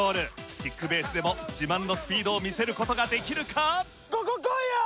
キックベースでも自慢のスピードを見せる事ができるか？